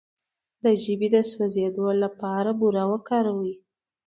د ژبې د سوځیدو لپاره بوره وکاروئ